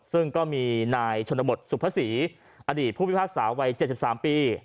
ซึ่งก็มีนายชนบทสุภาษีอดีตผู้พิพากษาวัย๗๓ปี